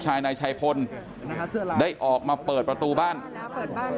ชายนายไชพลนะฮะเสื้อแล้วได้ออกมาเปิดประตูบ้านได้